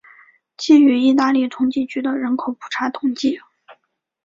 基于意大利统计局的人口普查统计。